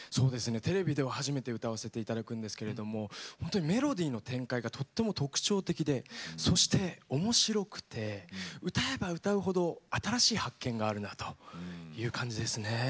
テレビでは初めて歌わせていただくんですけれどもメロディーの展開がとても特徴的でそしておもしろくて歌えば歌うほど新しい発見があるなという感じですね。